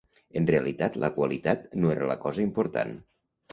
En realitat, la qualitat no era la cosa important.